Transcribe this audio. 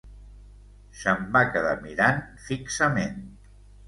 Se'm va quedar mirant fixament.